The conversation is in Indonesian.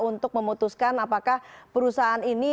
untuk memutuskan apakah perusahaan ini